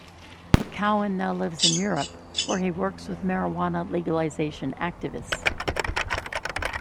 Cowan now lives in Europe where he works with marijuana legalization activists.